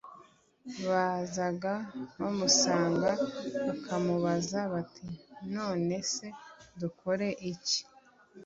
Bazaga bamusanga bakamubaza bati: '' None se dukore iki ?''